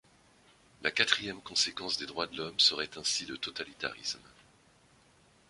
La quatrième conséquence des droits de l’homme serait ainsi le totalitarisme.